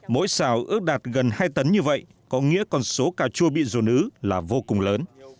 mỗi xào ước đạt gần hai tấn như vậy có nghĩa còn số cà chua bị dồn ứ là vô cùng lớn